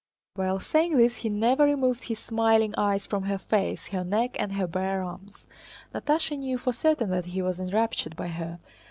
While saying this he never removed his smiling eyes from her face, her neck, and her bare arms. Natásha knew for certain that he was enraptured by her.